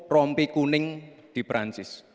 rompi kuning di perancis